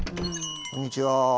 こんにちは。